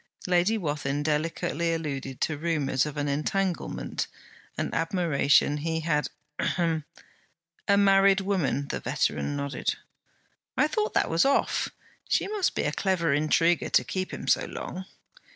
Lady Wathin delicately alluded to rumours of an entanglement, an admiration he had, ahem. 'A married woman,' the veteran nodded. 'I thought that was off? She must be a clever intriguer to keep him so long.'